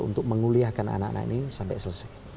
untuk menguliahkan anak anak ini sampai selesai